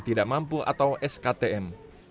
tidak mampu atau sktm